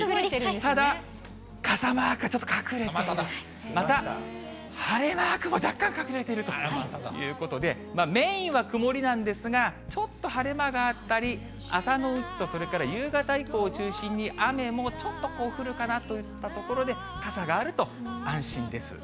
ただ、傘マークがちょっと隠れている、また、晴れマークも若干、隠れているということで、メインは曇りなんですが、ちょっと晴れ間があったり、朝のうちと、それから夕方以降を中心に、雨もちょっとこう、降るかなといったところで、傘があると安心です。